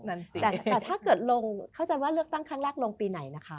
แต่ถ้าเกิดลงเข้าใจว่าเลือกตั้งครั้งแรกลงปีไหนนะคะ